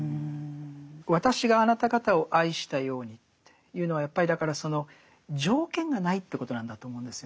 「わたしがあなた方を愛したように」というのはやっぱりだからその条件がないということなんだと思うんですよね。